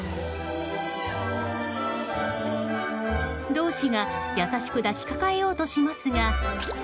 導師が、優しく抱きかかえようとしますが。